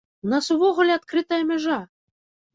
У нас увогуле адкрытая мяжа!